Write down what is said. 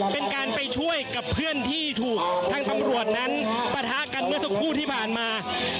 เป็นการไปช่วยกับเพื่อนที่ถูกทางตำรวจนั้นปะทะกันเมื่อสักครู่ที่ผ่านมา